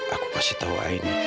aku kasih tahu aini